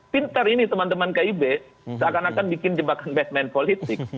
pintar ini teman teman kib seakan akan bikin jebakan basement politik